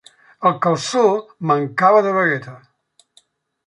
El calçó mancava de bragueta.